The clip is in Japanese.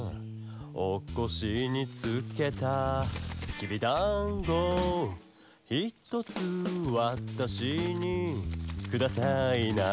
「おこしにつけたきびだんご」「ひとつわたしにくださいな」